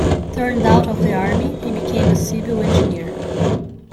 Turned out of the army, he became a civil engineer.